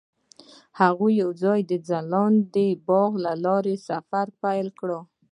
هغوی یوځای د ځلانده باغ له لارې سفر پیل کړ.